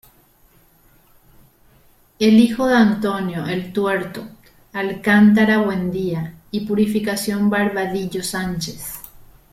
Es hijo de Antonio "el Tuerto" Alcántara Buendía y Purificación Barbadillo Sánchez.